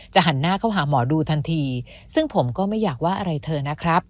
หันหน้าเข้าหาหมอดูทันทีซึ่งผมก็ไม่อยากว่าอะไรเธอนะครับ